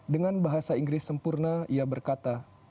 dengan bahasa inggris sempurna ia berkata